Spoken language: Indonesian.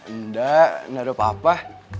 enggak enggak ada apa apa